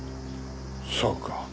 そうか。